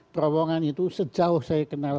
terowongan itu sejauh saya kenal